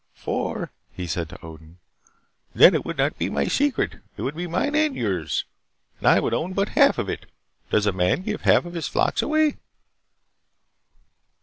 "For," he said to Odin, "then it would not be my secret. It would be mine and yours, and I would own but half of it. Does a man give half of his flocks away?"